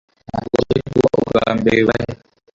Ntabwo byari kuba ubwambere bibaye